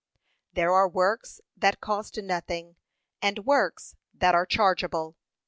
There are works that cost nothing, and works that are chargeable.